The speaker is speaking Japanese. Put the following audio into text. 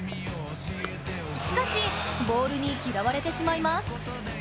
しかし、ボールに嫌われてしまいます。